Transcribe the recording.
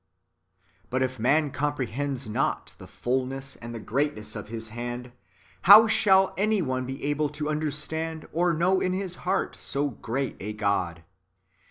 But if man comprehends not the fulness and the great ness of His hand, how shall any one be able to understand or know in his heart so great a God